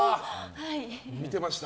見てました。